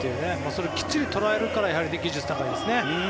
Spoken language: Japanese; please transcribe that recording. それをきっちり捉えるから技術が高いですね。